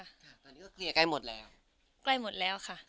ค่ะตอนนี้ก็เคลียร์ใกล้หมดแล้วใกล้หมดแล้วค่ะ